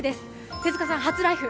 手塚さん、初ライフ。